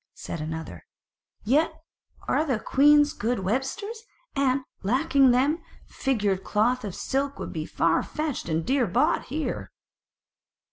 Said another; "Yet are the queens good websters, and, lacking them, figured cloth of silk would be far fetched and dear bought here."